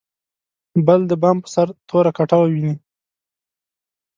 بل د بام په سر توره کټوه ویني.